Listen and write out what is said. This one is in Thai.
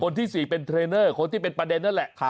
ที่๔เป็นเทรนเนอร์คนที่เป็นประเด็นนั่นแหละ